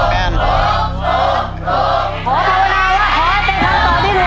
ถูกถูกถูกถูก